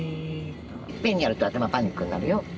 いっぺんにやると頭パニックになるよ。